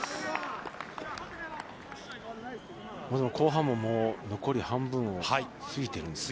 後半ももう残り半分を過ぎてるんですね。